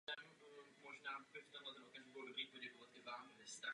I v nich je vždy veliké obrazové bohatství.